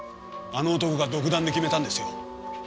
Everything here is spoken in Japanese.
あの男が独断で決めたんですよ。